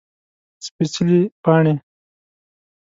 سپيڅلي پاڼې